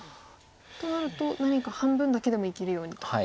となると何か半分だけでも生きるようにと。